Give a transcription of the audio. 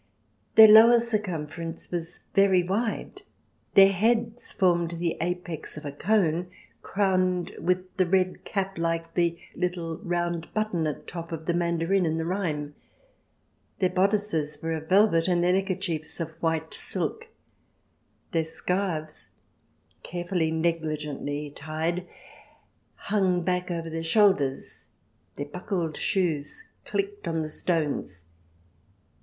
Their lower circumference was very wide. Their heads formed the apex of a cone, crowned with the red cap like the ''little round button at top" of the mandarin in the rhyme. Their bodices were of velvet and their neckerchiefs of white silk. Their scarves, carefully, negligently tied, hung back over their shoulders. Their buckled 124 CH. IX] CHESTS AND COSTUMES 125 shoes clicked on the stones.